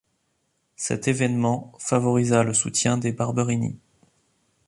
Cet évènement favorisa le soutien des Barberini.